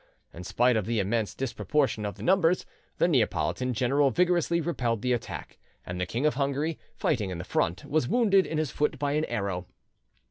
In spite of the immense disproportion of the numbers, the Neapolitan general vigorously repelled the attack; and the King of Hungary, fighting in the front, was wounded in his foot by an arrow.